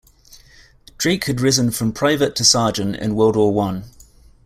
Drake had risen from private to sergeant in World War One.